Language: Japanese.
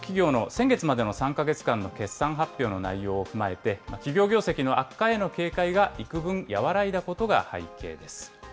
各企業の先月までの３か月間の決算発表の内容を踏まえて、企業業績の悪化への警戒がいくぶん和らいだことが背景です。